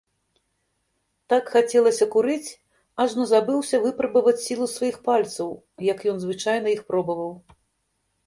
Так хацелася курыць, ажно забыўся выпрабаваць сілу сваіх пальцаў, як ён звычайна іх пробаваў.